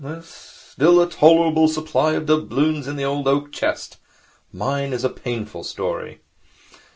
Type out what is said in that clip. There is still a tolerable supply of doubloons in the old oak chest. Mine is a painful story.'